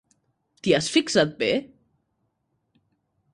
T'hi has fixat bé?